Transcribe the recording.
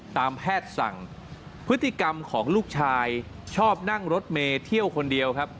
ตามแพทย์สั่งพฤติกรรมของลูกชายชอบนั่งรถเมย์เที่ยวคนเดียวครับ